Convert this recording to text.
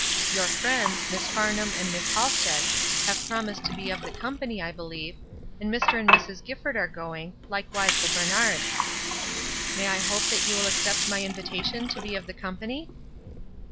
Your friends, Miss Farnham and Miss Halsted, have promised to be of the company, I believe, and Mr. and Mrs. Gifford are going, hkewise the Barnards. May I hope that you will accept my invitation to be of the company?"